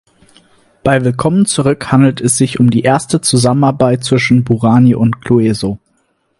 Bei "Willkommen Zurück" handelt es sich um die erste Zusammenarbeit zwischen Bourani und Clueso.